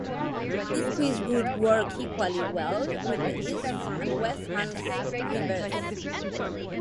This squeeze would work equally well with the East and West hands reversed.